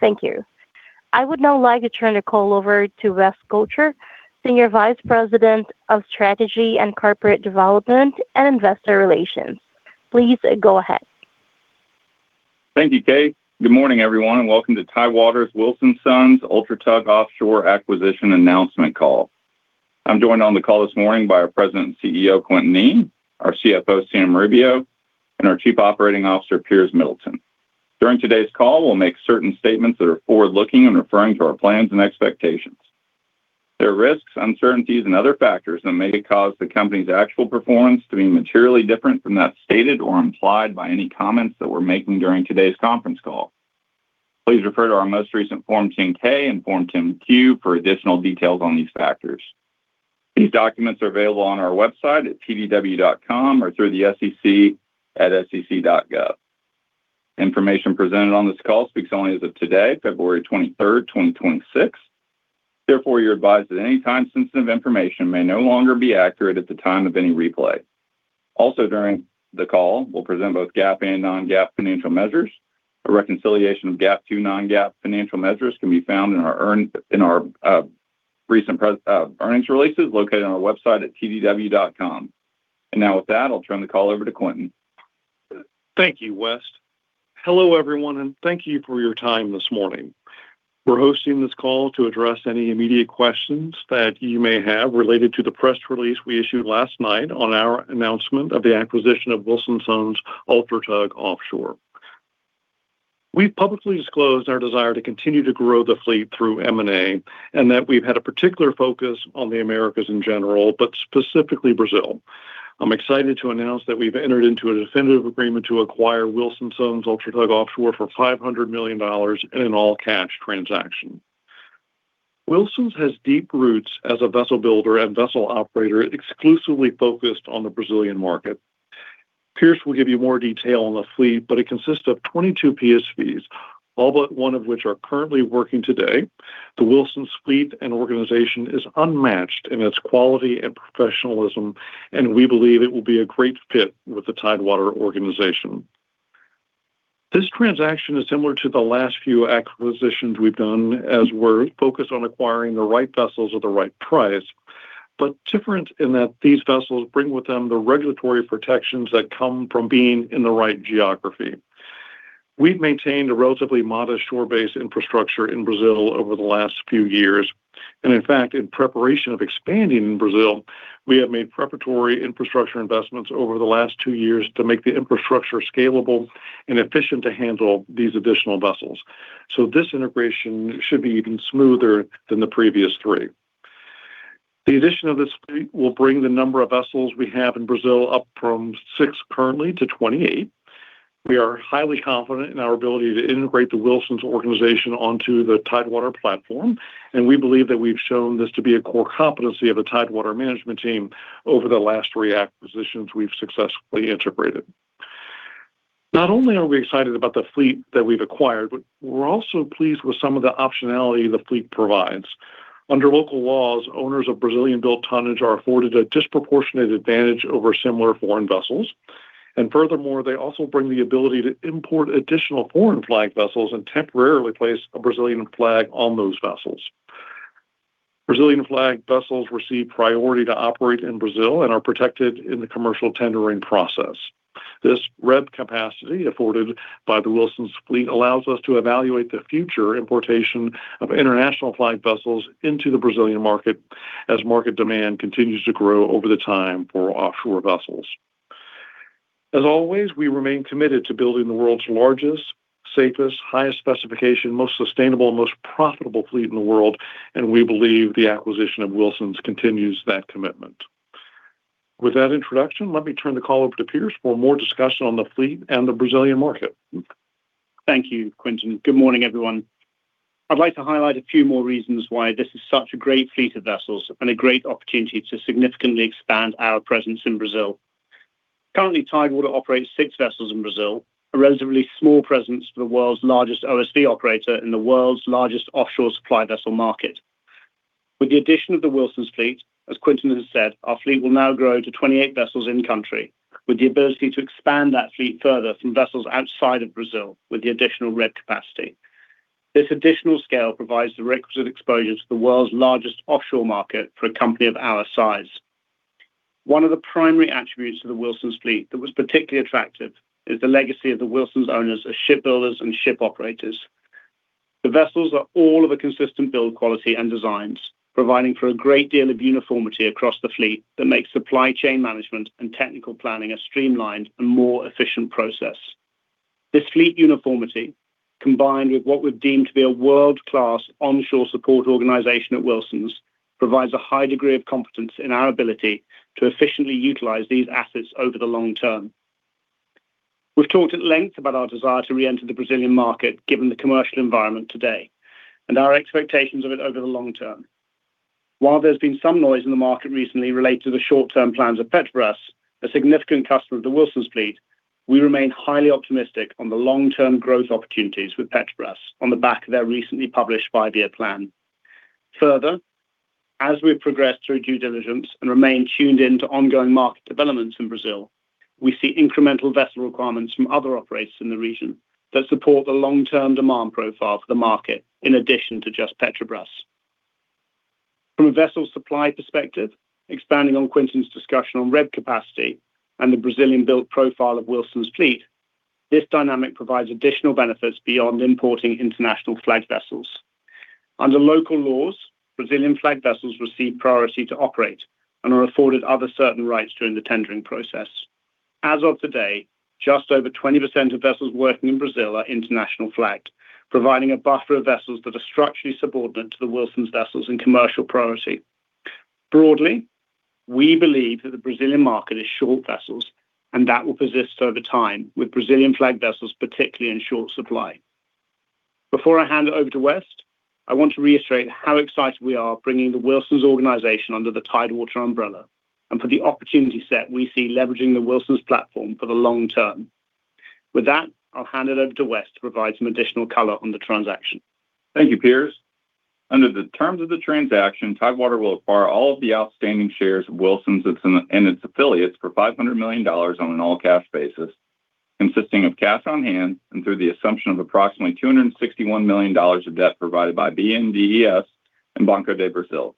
Thank you. I would now like to turn the call over to West Gotcher, Senior Vice President of Strategy and Corporate Development and Investor Relations. Please go ahead. Thank you, Kate. Good morning, everyone, and welcome to Tidewater Wilson Sons Ultratug Offshore Acquisition Announcement Call. I'm joined on the call this morning by our President and CEO, Quintin Kneen, our CFO, Sam Rubio, and our Chief Operating Officer, Piers Middleton. During today's call, we'll make certain statements that are forward-looking and referring to our plans and expectations. There are risks, uncertainties, and other factors that may cause the company's actual performance to be materially different from that stated or implied by any comments that we're making during today's conference call. Please refer to our most recent Form 10-K and Form 10-Q for additional details on these factors. These documents are available on our website at tdw.com or through the SEC at sec.gov. Information presented on this call speaks only as of today, February 23rd, 2026. Therefore, you're advised that any time-sensitive information may no longer be accurate at the time of any replay. Also, during the call, we'll present both GAAP and non-GAAP financial measures. A reconciliation of GAAP to non-GAAP financial measures can be found in our in our recent earnings releases located on our website at tdw.com. Now with that, I'll turn the call over to Quintin. Thank you, West. Hello, everyone, thank you for your time this morning. We're hosting this call to address any immediate questions that you may have related to the press release we issued last night on our announcement of the acquisition of Wilson Sons Ultratug Offshore. We've publicly disclosed our desire to continue to grow the fleet through M&A, that we've had a particular focus on the Americas in general, but specifically Brazil. I'm excited to announce that we've entered into a definitive agreement to acquire Wilson Sons Ultratug Offshore for $500 million in an all-cash transaction. Wilsons has deep roots as a vessel builder and vessel operator, exclusively focused on the Brazilian market. Piers will give you more detail on the fleet, it consists of 22 PSVs, all but one of which are currently working today. The Wilson fleet and organization is unmatched in its quality and professionalism. We believe it will be a great fit with the Tidewater organization. This transaction is similar to the last few acquisitions we've done, as we're focused on acquiring the right vessels at the right price, different in that these vessels bring with them the regulatory protections that come from being in the right geography. We've maintained a relatively modest shore-based infrastructure in Brazil over the last few years. In fact, in preparation of expanding in Brazil, we have made preparatory infrastructure investments over the last 2 years to make the infrastructure scalable and efficient to handle these additional vessels. This integration should be even smoother than the previous 3. The addition of this fleet will bring the number of vessels we have in Brazil up from 6 currently to 28. We are highly confident in our ability to integrate the Wilson Sons organization onto the Tidewater platform. We believe that we've shown this to be a core competency of the Tidewater management team over the last three acquisitions we've successfully integrated. Not only are we excited about the fleet that we've acquired. We're also pleased with some of the optionality the fleet provides. Under local laws, owners of Brazilian-built tonnage are afforded a disproportionate advantage over similar foreign vessels. Furthermore, they also bring the ability to import additional foreign flag vessels and temporarily place a Brazilian flag on those vessels. Brazilian flag vessels receive priority to operate in Brazil and are protected in the commercial tendering process. This REB capacity, afforded by the Wilson Sons fleet, allows us to evaluate the future importation of international-flagged vessels into the Brazilian market as market demand continues to grow over the time for offshore vessels. As always, we remain committed to building the world's largest, safest, highest specification, most sustainable, and most profitable fleet in the world, and we believe the acquisition of Wilson Sons continues that commitment. With that introduction, let me turn the call over to Piers for more discussion on the fleet and the Brazilian market. Thank you, Quintin. Good morning, everyone. I'd like to highlight a few more reasons why this is such a great fleet of vessels and a great opportunity to significantly expand our presence in Brazil. Currently, Tidewater operates six vessels in Brazil, a relatively small presence for the world's largest OSV operator in the world's largest offshore supply vessel market. With the addition of the Wilsons fleet, as Quintin has said, our fleet will now grow to 28 vessels in the country, with the ability to expand that fleet further from vessels outside of Brazil with the additional REB capacity. This additional scale provides the requisite exposure to the world's largest offshore market for a company of our size. One of the primary attributes of the Wilsons fleet that was particularly attractive is the legacy of the Wilsons owners as shipbuilders and ship operators. The vessels are all of a consistent build, quality, and designs, providing for a great deal of uniformity across the fleet that makes supply chain management and technical planning a streamlined and more efficient process. This fleet uniformity, combined with what we've deemed to be a world-class onshore support organization at Wilsons, provides a high degree of competence in our ability to efficiently utilize these assets over the long term. We've talked at length about our desire to re-enter the Brazilian market, given the commercial environment today and our expectations of it over the long term. While there's been some noise in the market recently related to the short-term plans of Petrobras, a significant customer of the Wilsons fleet, we remain highly optimistic on the long-term growth opportunities with Petrobras on the back of their recently published five-year plan.... Further, as we progress through due diligence and remain tuned in to ongoing market developments in Brazil, we see incremental vessel requirements from other operators in the region that support the long-term demand profile for the market, in addition to just Petrobras. From a vessel supply perspective, expanding on Quintin's discussion on rig capacity and the Brazilian-built profile of Wilson's fleet, this dynamic provides additional benefits beyond importing international-flagged vessels. Under local laws, Brazilian-flagged vessels receive priority to operate and are afforded other certain rights during the tendering process. As of today, just over 20% of vessels working in Brazil are international-flagged, providing a buffer of vessels that are structurally subordinate to the Wilson's vessels and commercial priority. Broadly, we believe that the Brazilian market is short vessels, and that will persist over time, with Brazilian-flagged vessels, particularly in short supply. Before I hand it over to West, I want to reiterate how excited we are bringing the Wilson Sons organization under the Tidewater umbrella, for the opportunity set we see leveraging the Wilson Sons platform for the long term. With that, I'll hand it over to West to provide some additional color on the transaction. Thank you, Piers. Under the terms of the transaction, Tidewater will acquire all of the outstanding shares of Wilson Sons' and its, and its affiliates for $500 million on an all-cash basis, consisting of cash on hand and through the assumption of approximately $261 million of debt provided by BNDES and Banco do Brasil.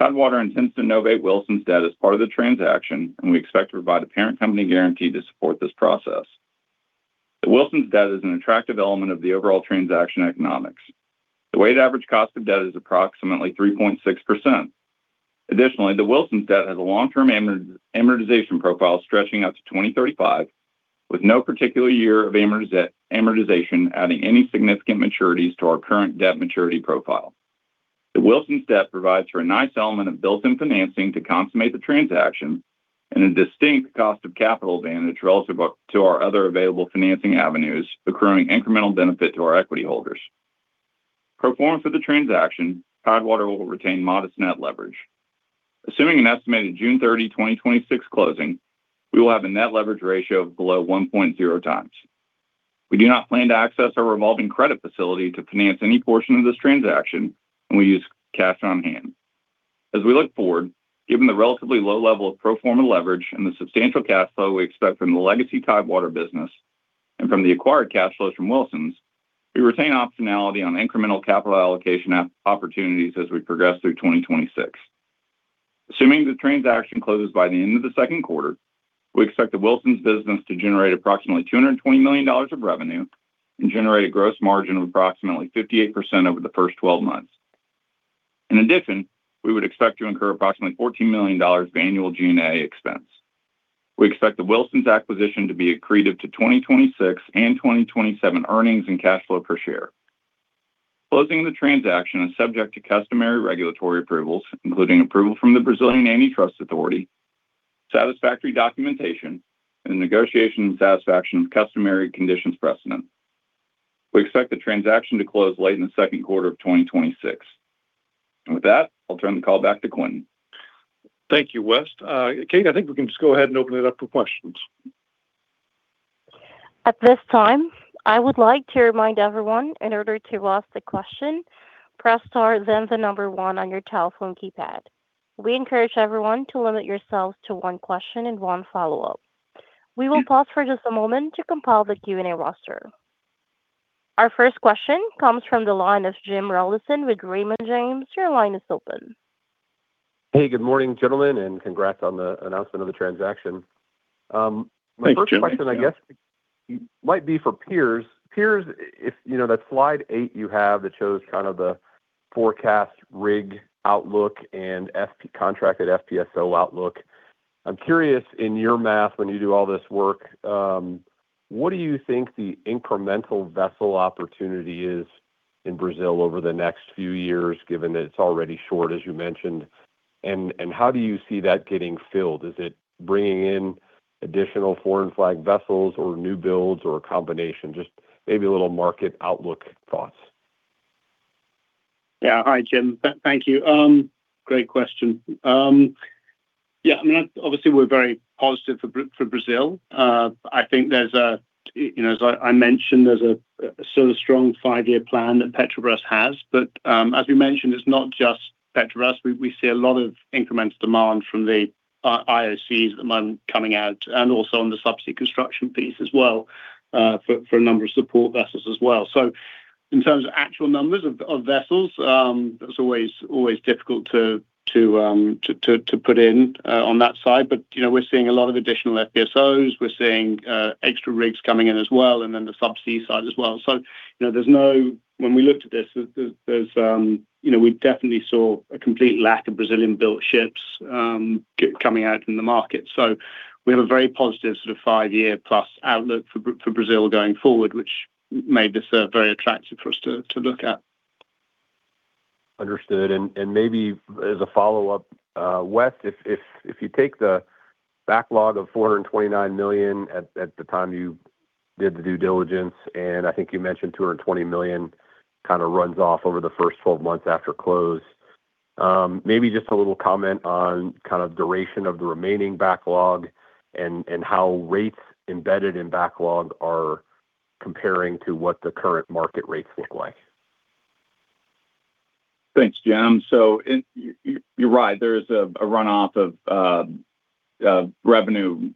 Tidewater intends to novate Wilson Sons' debt as part of the transaction, and we expect to provide a parent company guarantee to support this process. The Wilson Sons' debt is an attractive element of the overall transaction economics. The weighted average cost of debt is approximately 3.6%. Additionally, the Wilson Sons' debt has a long-term amortization profile stretching out to 2035, with no particular year of amortization, amortization adding any significant maturities to our current debt maturity profile. The Wilson's debt provides for a nice element of built-in financing to consummate the transaction and a distinct cost of capital advantage relative to our other available financing avenues, accruing incremental benefit to our equity holders. Performance of the transaction, Tidewater will retain modest net leverage. Assuming an estimated June 30, 2026 closing, we will have a net leverage ratio of below 1.0 times. We do not plan to access our revolving credit facility to finance any portion of this transaction, and we use cash on hand. As we look forward, given the relatively low level of pro forma leverage and the substantial cash flow we expect from the legacy Tidewater business and from the acquired cash flows from Wilson's, we retain optionality on incremental capital allocation opportunities as we progress through 2026. Assuming the transaction closes by the end of the second quarter, we expect the Wilson's business to generate approximately $220 million of revenue and generate a gross margin of approximately 58% over the first 12 months. In addition, we would expect to incur approximately $14 million of annual G&A expense. We expect the Wilson's acquisition to be accretive to 2026 and 2027 earnings and cash flow per share. Closing the transaction is subject to customary regulatory approvals, including approval from the Brazilian Antitrust Authority, satisfactory documentation, and negotiation and satisfaction of customary conditions precedent. We expect the transaction to close late in the second quarter of 2026. With that, I'll turn the call back to Quintin. Thank you, West. Kate, I think we can just go ahead and open it up for questions. At this time, I would like to remind everyone, in order to ask a question, press *, then the number 1 on your telephone keypad. We encourage everyone to limit yourselves to 1 question and 1 follow-up. We will pause for just a moment to compile the Q&A roster. Our first question comes from the line of James Rallo with Raymond James. Your line is open. Good morning, gentlemen, congrats on the announcement of the transaction. My first question, I guess, might be for Piers. Piers, if you know that Slide 8 you have that shows kind of the forecast rig outlook and FP, contracted FPSO outlook. I'm curious, in your math, when you do all this work, what do you think the incremental vessel opportunity is in Brazil over the next few years, given that it's already short, as you mentioned, and how do you see that getting filled? Is it bringing in additional foreign flag vessels or new builds or a combination? Just maybe a little market outlook thoughts. Yeah. Hi, James. Thank you. Great question. Yeah, I mean, obviously, we're very positive for Brazil. I think there's a, you know, as I, I mentioned, there's a sort of strong five-year plan that Petrobras has, but, as you mentioned, it's not just Petrobras. We, we see a lot of incremental demand from the IOCs among coming out and also on the subsea construction piece as well for a number of support vessels as well. So, in terms of actual numbers of, of vessels, that's always, always difficult to put in on that side. But, you know, we're seeing a lot of additional FPSOs. We're seeing extra rigs coming in as well, and then the subsea side as well. So, you know, there's no... When we looked at this, we definitely saw a complete lack of Brazilian-built ships, coming out in the market. We have a very positive sort of 5-year plus outlook for Brazil going forward, which made this very attractive for us to, to look at. Understood. Maybe as a follow-up, West, if you take the backlog of $429 million at the time you did the due diligence, and I think you mentioned $220 million kind of runs off over the first 12 months after close, maybe just a little comment on kind of duration of the remaining backlog and how rates embedded in backlog are comparing to what the current market rates look like? Thanks, James. You're right, there is a runoff of revenue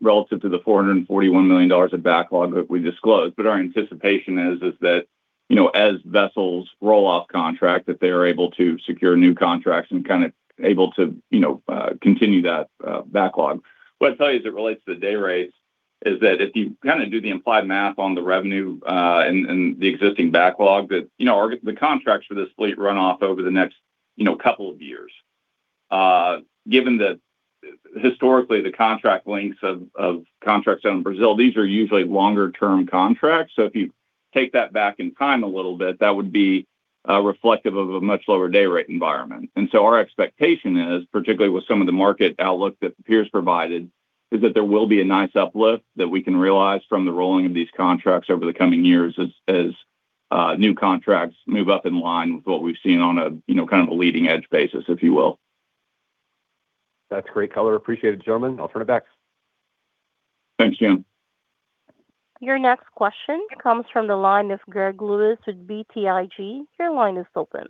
relative to the $441 million of backlog that we disclosed. Our anticipation is, is that, you know, as vessels roll off contract, that they are able to secure new contracts and kind of able to, you know, continue that backlog. What I'd tell you as it relates to the day rates is that if you kind of do the implied math on the revenue and the existing backlog that, you know, the contracts for this fleet run off over the next, you know, couple of years. Given that historically, the contract lengths of, of contracts out in Brazil, these are usually longer-term contracts. If you take that back in time a little bit, that would be reflective of a much lower day rate environment. Our expectation is, particularly with some of the market outlook that Piers provided, is that there will be a nice uplift that we can realize from the rolling of these contracts over the coming years as, as new contracts move up in line with what we've seen on a kind of a leading-edge basis, if you will. That's great color. Appreciate it, gentlemen. I'll turn it back. Thanks, James. Your next question comes from the line of Greg Lewis with BTIG. Your line is open.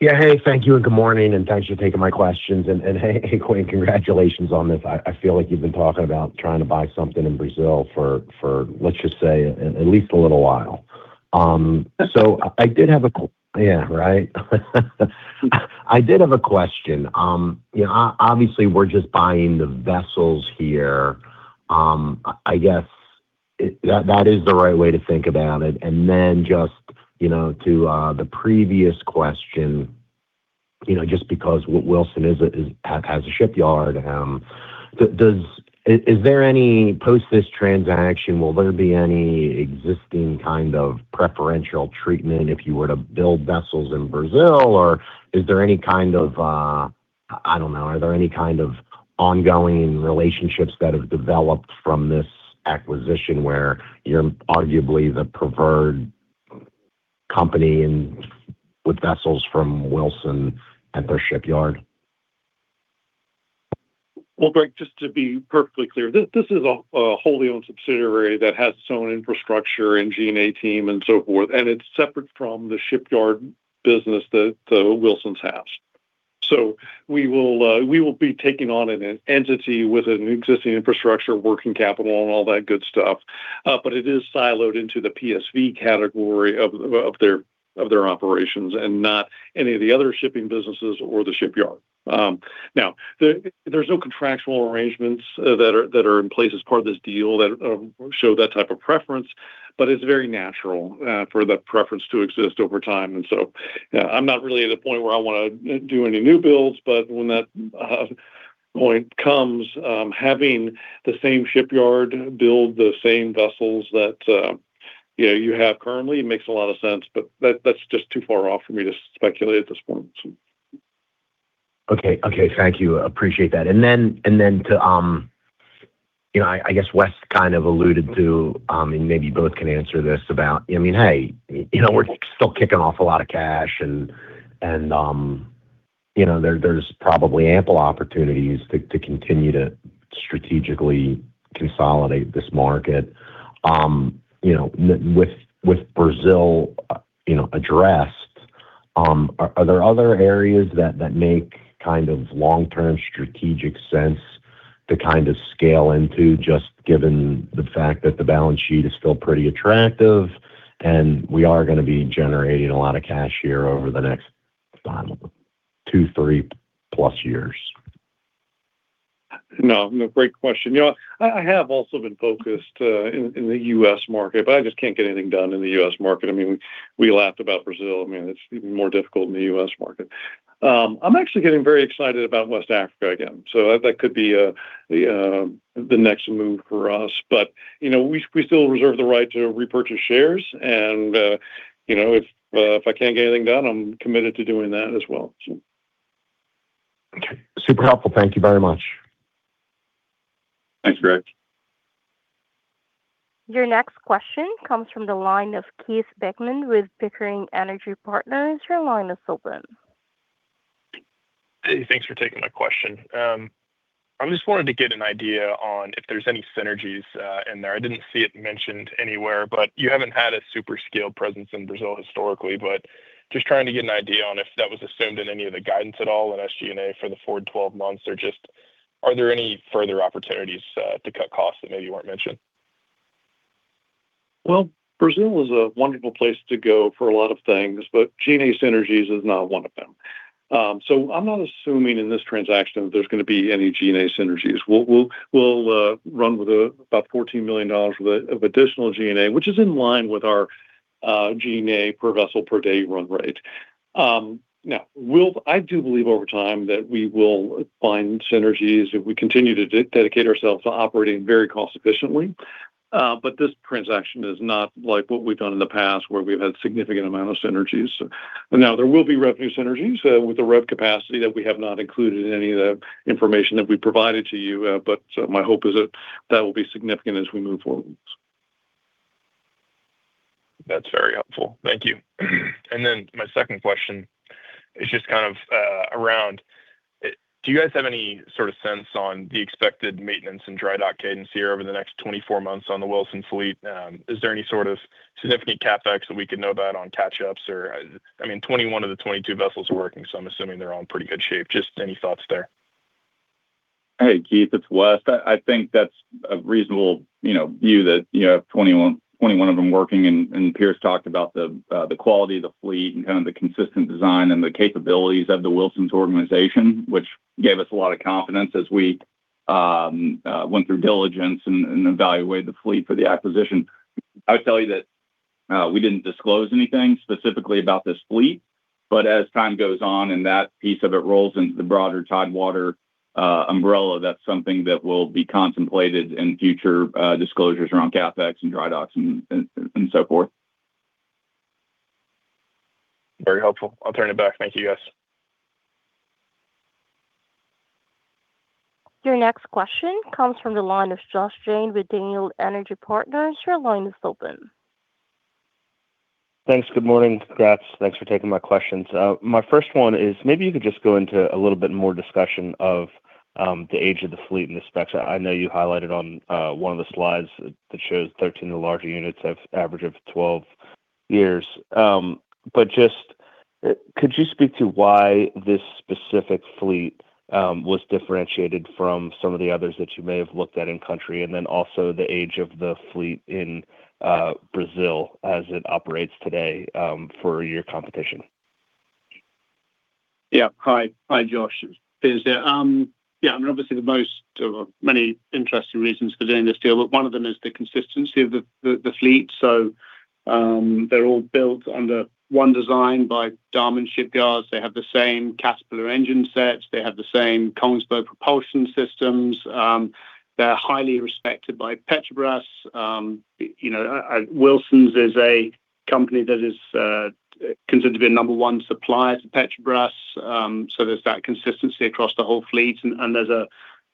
Yeah, hey, thank you, and good morning, and thanks for taking my questions. Hey, Dwayne, congratulations on this. I, I feel like you've been talking about trying to buy something in Brazil for, for, let's just say, at, at least a little while. I did have a yeah, right. I did have a question. You know, obviously, we're just buying the vessels here. I, I guess, that, that is the right way to think about it. Then just, you know, to the previous question, you know, just because Wilson has a shipyard, is there any... post this transaction, will there be any existing kind of preferential treatment if you were to build vessels in Brazil? Is there any kind of, I don't know, are there any kind of ongoing relationships that have developed from this acquisition where you're arguably the preferred company with vessels from Wilson at their shipyard? Well, Greg, just to be perfectly clear, this is a wholly owned subsidiary that has its own infrastructure and G&A team and so forth, and it's separate from the shipyard business that Wilson Sons has. We will be taking on an entity with an existing infrastructure, working capital, and all that good stuff. It is siloed into the PSV category of their operations and not any of the other shipping businesses or the shipyard. Now, there's no contractual arrangements that are in place as part of this deal that show that type of preference, but it's very natural for that preference to exist over time. I'm not really at the point where I wanna do any new builds, but when that point comes, having the same shipyard build the same vessels that, you have currently makes a lot of sense, but that's just too far off for me to speculate at this point. Okay. Okay, thank you. Appreciate that. Then, then to, you know, I, I guess Wes kind of alluded to, and maybe you both can answer this, about, I mean, hey, you know, we're still kicking off a lot of cash and, and, you know, there, there's probably ample opportunities to, to continue to strategically consolidate this market. You know, with, with Brazil, you know, addressed, are, are there other areas that, that make kind of long-term strategic sense to kind of scale into, just given the fact that the balance sheet is still pretty attractive, and we are gonna be generating a lot of cash here over the next, I don't know, 2, 3+ years? No, great question. You know, I have also been focused, in, in the U.S. market, but I just can't get anything done in the U.S. market. I mean, we laughed about Brazil. I mean, it's even more difficult in the U.S. market. I'm actually getting very excited about West Africa again, so that, that could be, the, the next move for us. But, you know, we, we still reserve the right to repurchase shares, and if I can't get anything done, I'm committed to doing that as well, so. Okay. Super helpful. Thank you very much. Thanks, Greg. Your next question comes from the line of Keith Beckmann with Pickering Energy Partners. Your line is open. Hey, thanks for taking my question. I just wanted to get an idea on if there's any synergies in there. I didn't see it mentioned anywhere. You haven't had a super scaled presence in Brazil historically. Just trying to get an idea on if that was assumed in any of the guidance at all in SG&A for the forward 12 months, or just are there any further opportunities to cut costs that maybe weren't mentioned? Well, Brazil is a wonderful place to go for a lot of things, but G&A synergies is not one of them. I'm not assuming in this transaction that there's gonna be any G&A synergies. We'll run with about $14 million worth of additional G&A, which is in line with our G&A per vessel per day run rate. I do believe over time that we will find synergies if we continue to dedicate ourselves to operating very cost efficiently. This transaction is not like what we've done in the past, where we've had significant amount of synergies. There will be revenue synergies with the REB capacity that we have not included in any of the information that we provided to you. My hope is that that will be significant as we move forward. That's very helpful. Thank you. Then my second question is just kind of around do you guys have any sort of sense on the expected maintenance and dry dock cadence here over the next 24 months on the Wilson fleet? Is there any sort of significant CapEx that we could know about on catch-ups? I mean, 21 of the 22 vessels are working, so I'm assuming they're all in pretty good shape. Just any thoughts there? Hey, Keith, it's West. I think that's a reasonable, you know, view that, you know, 21, 21 of them working. Piers talked about the quality of the fleet and kind of the consistent design and the capabilities of the Wilson Sons organization, which gave us a lot of confidence as we went through diligence and evaluated the fleet for the acquisition. I would tell you that we didn't disclose anything specifically about this fleet, but as time goes on and that piece of it rolls into the broader Tidewater umbrella, that's something that will be contemplated in future disclosures around CapEx and dry docks and so forth. Very helpful. I'll turn it back. Thank you, guys. Your next question comes from the line of Josh Jayne with Daniel Energy Partners. Your line is open. Thanks. Good morning, guys. Thanks for taking my questions. My first one is maybe you could just go into a little bit more discussion of the age of the fleet and the specs. I know you highlighted on one of the slides that shows 13 of the larger units have average of 12 years. But just could you speak to why this specific fleet was differentiated from some of the others that you may have looked at in country, and then also the age of the fleet in Brazil as it operates today for your competition? Yeah. Hi. Hi, Josh. It's Piers here. Yeah, I mean, obviously many interesting reasons for doing this deal, but one of them is the consistency of the fleet. They're all built under one design by Damen Shipyards. They have the same Caterpillar engine sets. They have the same Kongsberg propulsion systems. They're highly respected by Petrobras. You know, Wilson Sons is a company that is considered to be a number one supplier to Petrobras. There's that consistency across the whole fleet, and there's a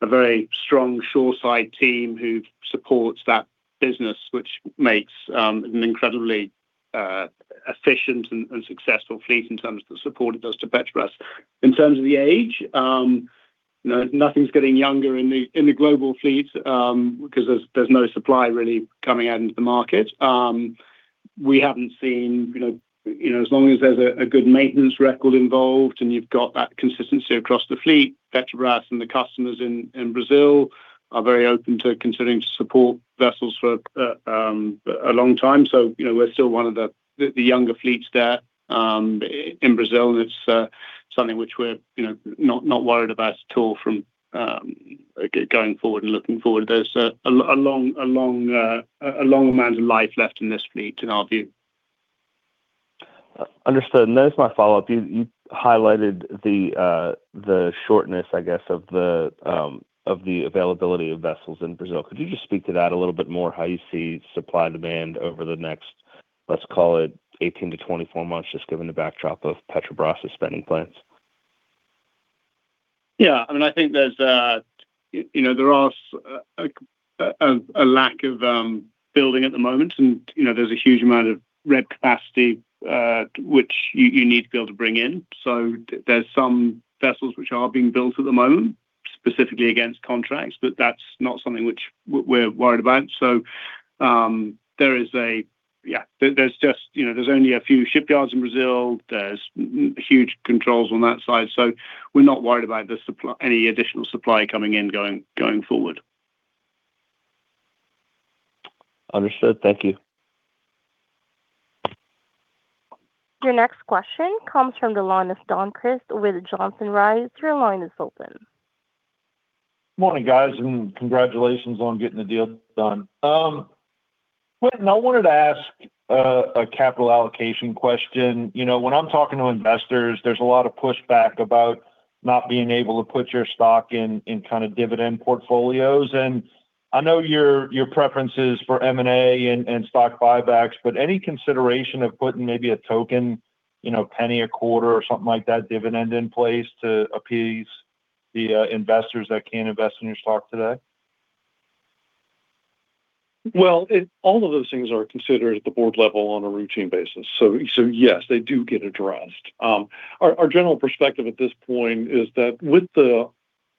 very strong shoreside team who supports that business, which makes an incredibly efficient and successful fleet in terms of the support it does to Petrobras. In terms of the age, you know, nothing's getting younger in the, in the global fleet, because there's, there's no supply really coming out into the market. We haven't seen You know, you know, as long as there's a good maintenance record involved and you've got that consistency across the fleet, Petrobras and the customers in Brazil are very open to continuing to support vessels for a long time. You know, we're still one of the younger fleets there, in Brazil, and it's something which we're, you know, not, not worried about at all from going forward and looking forward. There's a long, a long, a long amount of life left in this fleet, in our view. Understood. There's my follow-up. You, you highlighted the shortness, I guess, of the availability of vessels in Brazil. Could you just speak to that a little bit more, how you see supply and demand over the next, let's call it 18-24 months, just given the backdrop of Petrobras' spending plans? Yeah, I mean, I think there's a... You, you know, there are a lack of building at the moment, and, you know, there's a huge amount of rig capacity, which you, you need to be able to bring in. There's some vessels which are being built at the moment, specifically against contracts, but that's not something which we're, we're worried about. Yeah, there's just, you know, there's only a few shipyards in Brazil. There's huge controls on that side, so we're not worried about the supply any additional supply coming in going forward. Understood. Thank you. Your next question comes from the line of Don Crist with Johnson Rice. Your line is open. Morning, guys, congratulations on getting the deal done. Quintin, I wanted to ask a capital allocation question. You know, when I'm talking to investors, there's a lot of pushback about not being able to put your stock in, in kind of dividend portfolios. I know your, your preference is for M&A and, and stock buybacks, but any consideration of putting maybe a token, you know, $0.01 a quarter or something like that, dividend in place to appease the investors that can't invest in your stock today? Well, all of those things are considered at the board level on a routine basis. Yes, they do get addressed. Our general perspective at this point is that with the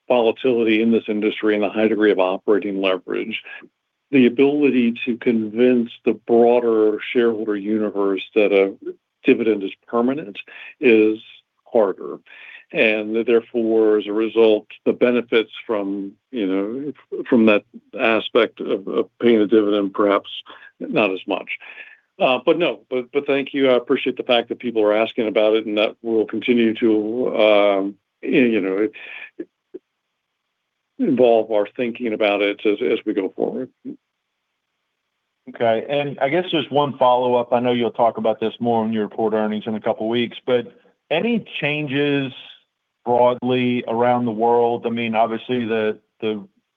volatility in this industry and the high degree of operating leverage, the ability to convince the broader shareholder universe that a dividend is permanent is harder. Therefore, as a result, the benefits from, you know, from that aspect of, of paying a dividend, perhaps not as much. No. Thank you. I appreciate the fact that people are asking about it, and that we'll continue to, you know, involve our thinking about it as, as we go forward. Okay. I guess just 1 follow-up. I know you'll talk about this more on your report earnings in 2 weeks, but any changes broadly around the world? I mean, obviously, the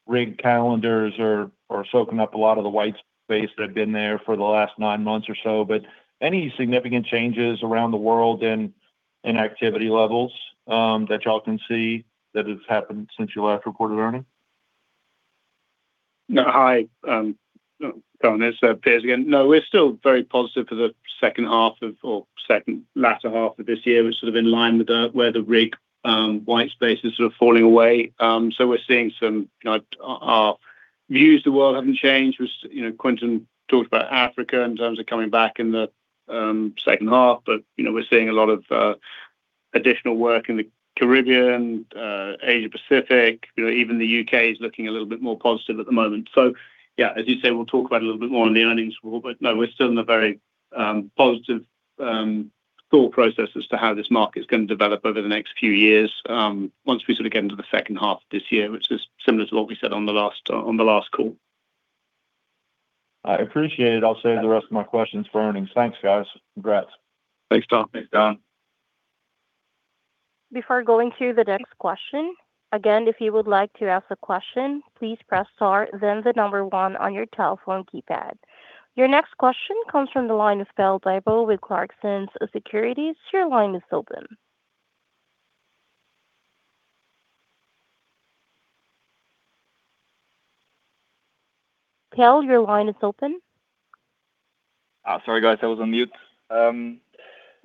rig calendars are soaking up a lot of the white space that have been there for the last 9 months or so, but any significant changes around the world in activity levels that y'all can see that has happened since you last reported earnings? No, hi, go on, it's Piers again. No, we're still very positive for the second half of or second latter half of this year. We're sort of in line with the, where the rig white space is sort of falling away. We're seeing some, kind of, our views of the world haven't changed, which, you know, Quintin talked about Africa in terms of coming back in the second half. We're seeing a lot of additional work in the Caribbean, Asia Pacific. You know, even the U.K. is looking a little bit more positive at the moment. Yeah, as you say, we'll talk about a little bit more on the earnings call. No, we're still in a very positive thought process as to how this market is gonna develop over the next few years, once we sort of get into the second half of this year, which is similar to what we said on the last, on the last call. I appreciate it. I'll save the rest of my questions for earnings. Thanks, guys. Congrats. Thanks, Don. Thanks, Don. Before going to the next question, again, if you would like to ask a question, please press star, then the number one on your telephone keypad. Your next question comes from the line of Pelle Bibow with Clarksons Securities. Your line is open. Pelle, your line is open. Sorry, guys, I was on mute.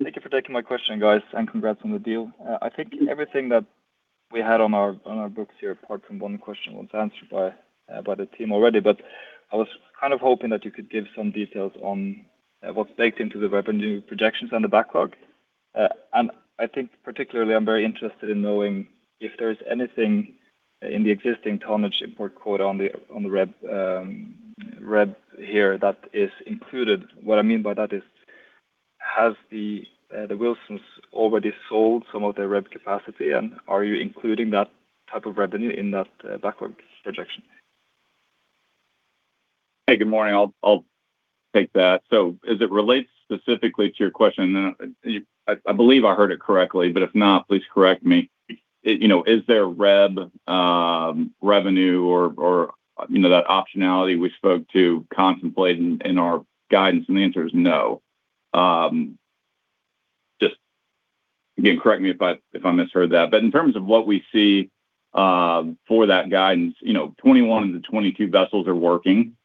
Thank you for taking my question, guys, and congrats on the deal. I think everything that we had on our, on our books here, apart from one question, was answered by, by the team already. I was kind of hoping that you could give some details on what's baked into the revenue projections and the backlog. I think particularly I'm very interested in knowing if there is anything in the existing tonnage import quota on the, on the REB, REB here that is included. What I mean by that is, has the Wilson Sons already sold some of their REB capacity, and are you including that type of revenue in that backlog projection? Hey, good morning. I'll, I'll take that. As it relates specifically to your question, you... I, I believe I heard it correctly, but if not, please correct me. You know, is there REB revenue or, or, you know, that optionality we spoke to contemplate in, in our guidance? The answer is no. Just again, correct me if I, if I misheard that, but in terms of what we see for that guidance, you know, 21 of the 22 vessels are working.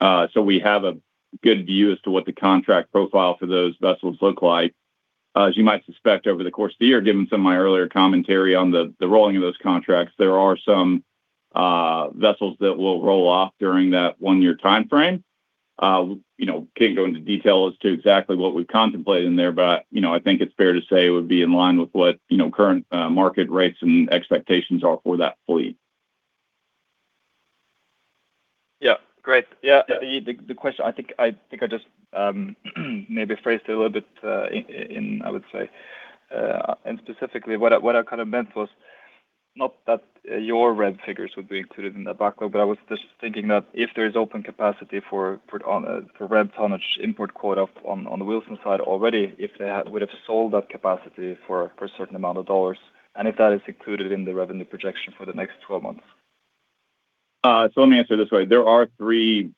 We have a good view as to what the contract profile for those vessels look like. As you might suspect, over the course of the year, given some of my earlier commentary on the, the rolling of those contracts, there are some vessels that will roll off during that 1-year timeframe. You know, can't go into detail as to exactly what we've contemplated in there, but, you know, I think it's fair to say it would be in line with what, you know, current market rates and expectations are for that fleet. Yeah. Great. Yeah, the, the, the question, I think, I think I just, maybe phrased it a little bit, in, I would say. Specifically, what I, what I kind of meant was not that your REB figures would be included in the backlog, but I was just thinking that if there is open capacity for, for on, for REB tonnage import quota on, on the Wilson side already, if they had would have sold that capacity for, for a certain amount of dollars, and if that is included in the revenue projection for the next 12 months. Let me answer this way. There are 3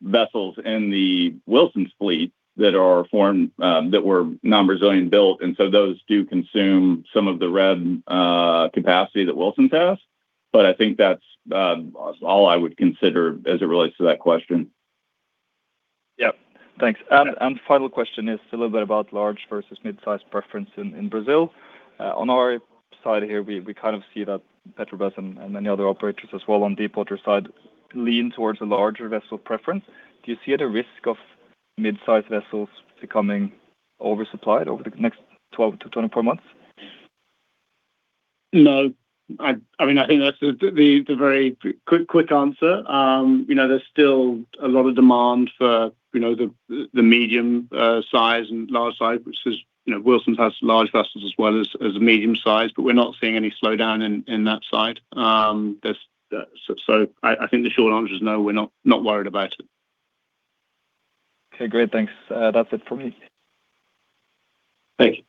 vessels in the Wilson fleet that are formed, that were non-Brazilian built, and so those do consume some of the REB capacity that Wilson has, but I think that's all I would consider as it relates to that question. Yeah. Thanks. Final question is a little bit about large versus mid-sized preference in Brazil. On our side here, we kind of see that Petrobras and many other operators as well on deepwater side lean towards a larger vessel preference. Do you see the risk of mid-sized vessels becoming oversupplied over the next 12-24 months? No, I, I mean, I think that's the very quick answer. You know, there's still a lot of demand for, you know, the, the medium, size and large size, which is, you know, Wilson has large vessels as well as, as a medium size, but we're not seeing any slowdown in, in that side. There's, so I think the short answer is no, we're not, not worried about it. Okay, great. Thanks. That's it for me. Thank you.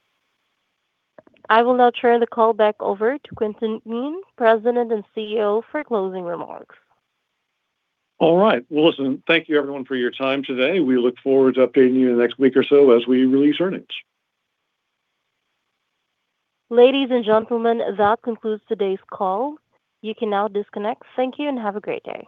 I will now turn the call back over to Quintin V. Kneen, President and CEO, for closing remarks. All right. Well, listen, thank you everyone for your time today. We look forward to updating you in the next week or so as we release earnings. Ladies and gentlemen, that concludes today's call. You can now disconnect. Thank you and have a great day.